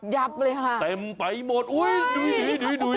ดับเลยครับเต็มไปหมดอุ๊ยดุ้ยดุ้ยดุ้ย